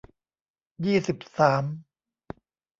ยี่สิบสาม